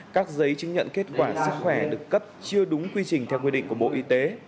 các giấy chứng nhận kết quả sức khỏe được cấp chưa đúng quy trình theo quy định của bộ y tế